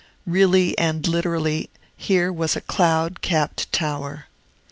Really and literally, here was a "cloud capt tower."